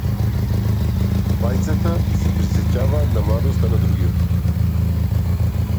Обајцата се присеќаваа на младоста на другиот.